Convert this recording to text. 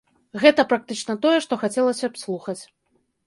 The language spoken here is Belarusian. Гэта практычна тое, што хацелася б слухаць.